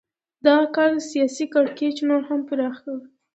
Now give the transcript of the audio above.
دغه کار سیاسي کړکېچ نور هم پراخ کړ.